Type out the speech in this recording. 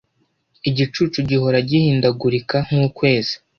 igicucu gihora gihindagurika nk’ukwezi.